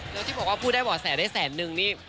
แล้วที่บอกว่าผู้ได้บ่อแสได้แสนนึงนี่